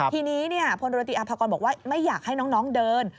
ทีนี้พลเรือตีอาภากรบอกว่าไม่อยากให้น้องเดิน